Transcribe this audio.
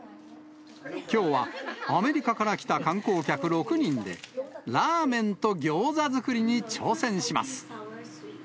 きょうは、アメリカから来た観光客６人で、ラーメンとギョーザ作りに挑戦します。